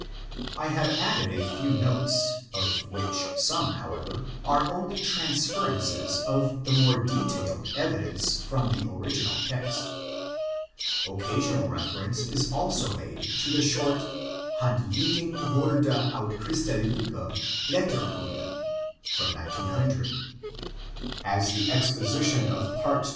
I have added a few notes, of which some, however, are only transferences of the more detailed evidence from the original text. Occasional reference is also made to the short Handleiding voor de Oudchristelijke Letterkunde (1900). As the exposition of Part 11.